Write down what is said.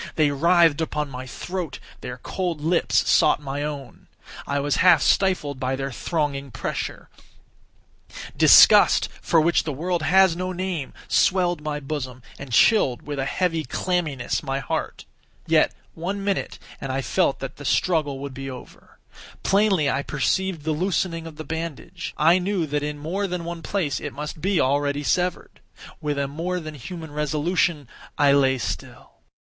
They writhed upon my throat; their cold lips sought my own; I was half stifled by their thronging pressure; disgust, for which the world has no name, swelled my bosom, and chilled, with a heavy clamminess, my heart. Yet one minute, and I felt that the struggle would be over. Plainly I perceived the loosening of the bandage. I knew that in more than one place it must be already severed. With a more than human resolution I lay still.